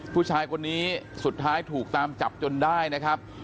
ผู้ชายคนนี้สุดท้ายถูกตามจับจนได้นะครับ